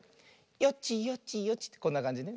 よちよちよちってこんなかんじね。